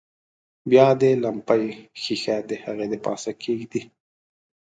بیا د لمپې ښيښه د هغه د پاسه کیږدئ.